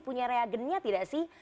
punya reagennya tidak sih